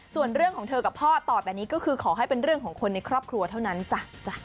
ส่วนเรื่องของเธอกับพ่อต่อแต่นี้ก็คือขอให้เป็นเรื่องของคนในครอบครัวเท่านั้นจ้ะ